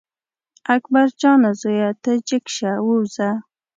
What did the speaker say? اکبر جانه زویه ته جګ شه ووځه.